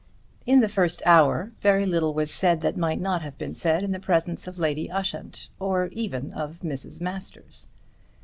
In the first hour very little was said that might not have been said in the presence of Lady Ushant, or even of Mrs. Masters.